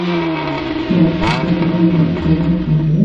রাজা জিজ্ঞাসা করিলেন, খবর কী হে?